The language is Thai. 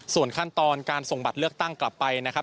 ส่วนขั้นตอนการส่งบัตรเลือกตั้งกลับไปนะครับ